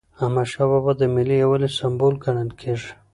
احمدشاه بابا د ملي یووالي سمبول ګڼل کېږي.